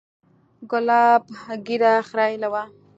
ګلاب ږيره خرييلې وه.